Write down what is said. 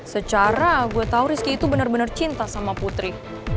secara gue tau rizky itu bener bener cinta sama putri